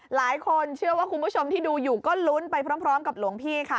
หลายคนเชื่อว่าคุณผู้ชมที่ดูอยู่ก็ลุ้นไปพร้อมกับหลวงพี่ค่ะ